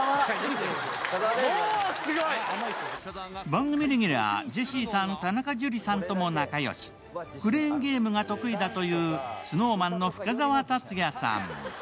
番組レギュラー、ジェシーさん田中樹さんとも仲良し、クレーンゲームが得意だというＳｎｏｗＭａｎの深澤辰哉さん。